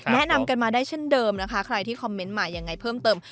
แนะนำกันมาได้เช่นเดิมนะคะใครที่คอมเมนต์มายังไงเพิ่มเติม